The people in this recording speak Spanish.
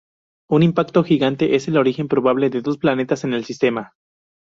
Un impacto gigante es el origen probable de dos planetas en el sistema.